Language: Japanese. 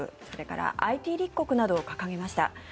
それからＩＴ立国などを掲げました。